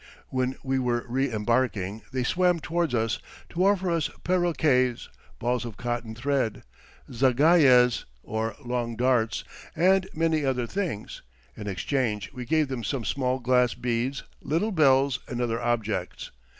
When we were re embarking, they swam towards us, to offer us parroquets, balls of cotton thread, zagayes (or long darts), and many other things; in exchange we gave them some small glass beads, little bells, and other objects.